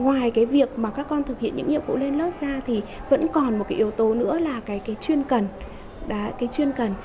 ngoài cái việc mà các con thực hiện những nhiệm vụ lên lớp ra thì vẫn còn một cái yếu tố nữa là cái chuyên cần